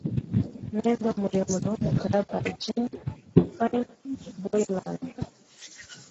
Umwenda muremure wumukara by Jenny Finney Boylan